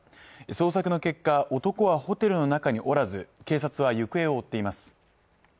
捜索の結果、男はホテルの中におらず、警察は行方を追っています。